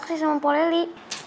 kan ada mpo leli